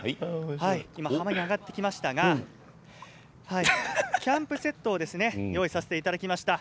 今、浜に上がってきましたがキャンプセットを用意させていただきました。